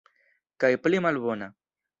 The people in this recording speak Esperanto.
Kaj pli malbona.